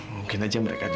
mungkin aja mereka jodoh